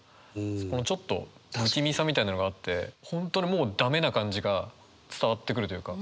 そこのちょっと不気味さみたいなのがあって本当にもう駄目な感じが伝わってくるというか。